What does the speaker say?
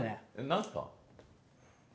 何すか？